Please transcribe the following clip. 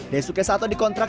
daisuke sato dikontrak